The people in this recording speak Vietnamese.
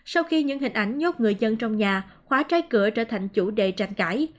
sau khi những hình ảnh nhốt người dân trong nhà khóa trái cửa trở thành chủ đề tranh cãi